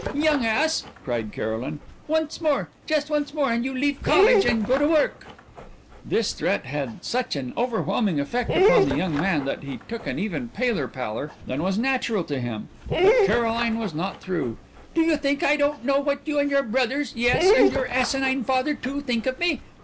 "Young ass!" cried Caroline. "Once more, just once more and you leave college and go to work." This threat had such an overwhelming effect upon the young man that he took on an even paler pallor than was natural to him. But Caroline was not through. "Do you think I don't know what you and your brothers, yes, and your asinine father too, think of me?